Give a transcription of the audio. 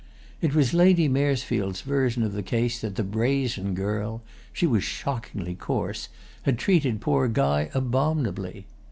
It was Lady Maresfield's version of the case that the brazen girl (she was shockingly coarse) had treated poor Guy abominably.